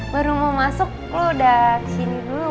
baru mau masuk lo udah kesini duluan